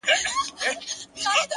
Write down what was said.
هوښیاري د سم انتخاب نوم دی.!